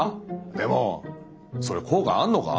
でもそれ効果あんのか？